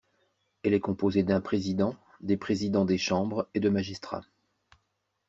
Elle est composée d'un président, des président des chambres et de magistrats.